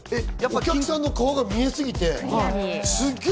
お客さんの顔が見えすぎてすっげぇ